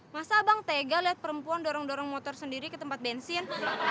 masa bang tega lihat perempuan dorong dorong motor sendiri ke tempat bensin